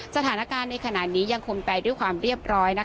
สถานการณ์ในขณะนี้ยังคงไปด้วยความเรียบร้อย